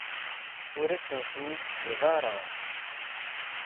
Ur asen-ten-id-teǧǧiḍ ara.